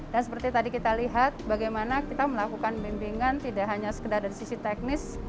dan seperti tadi kita lihat bagaimana kita melakukan pembimbingan tidak hanya sekedar dari sisi teknis